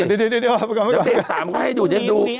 เดี๋ยวเดี๋ยวติดตามเขาให้ดูฉันดู